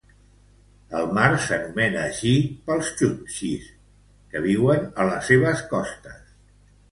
El mar s'anomena així pels txuktxis, que viuen a les seves costes.